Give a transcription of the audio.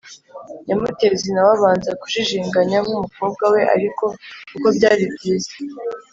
Nyamutezi na we abanza kujijinganya nk umukobwa we ariko kuko byari byiza